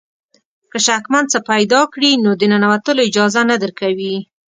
که شکمن څه پیدا کړي نو د ننوتلو اجازه نه درکوي.